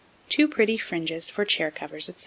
Two pretty Fringes for Chair Covers, &c.